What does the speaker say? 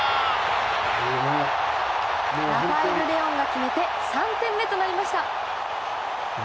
レオンが決めて３点目となりました。